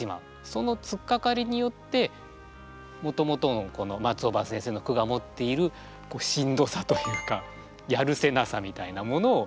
そのつっかかりによってもともとの松尾葉先生の句が持っているしんどさというかやるせなさみたいなものを表現しようと。